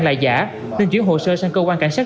là giả nên chuyển hồ sơ sang cơ quan cảnh sát